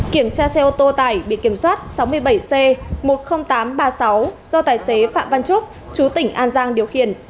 kiểm tra xe ô tô tải bị kiểm soát sáu mươi bảy c một mươi nghìn tám trăm ba mươi sáu do tài xế phạm văn trúc chú tỉnh an giang điều khiển